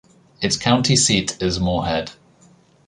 Its county seat is Moorhead.